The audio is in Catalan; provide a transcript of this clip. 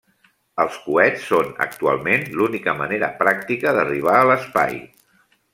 Els coets són, actualment, l'única manera pràctica d'arribar a l'espai.